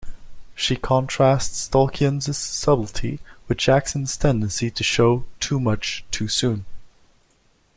She contrasts Tolkien's subtlety with Jackson's tendency to show "too much too soon".